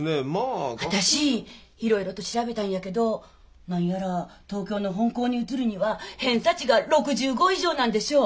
私いろいろと調べたんやけど何やら東京の本校に移るには偏差値が６５以上なんでしょ？